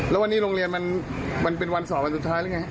แล้ววันนี้โรงเรียนมันเป็นวันสอบวันสุดท้ายหรือไง